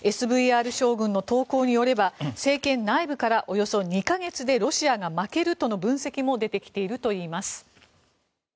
ＳＶＲ将軍の投稿によれば政権内部からおよそ２か月でロシアが負けるとの分析も出てきているといいます。